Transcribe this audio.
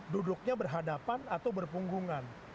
duduknya berhadapan atau berpunggungan